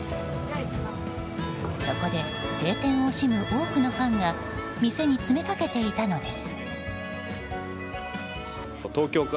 そこで閉店を惜しむ多くのファンが店に詰めかけていたのです。